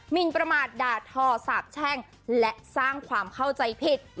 นประมาทด่าทอสาบแช่งและสร้างความเข้าใจผิด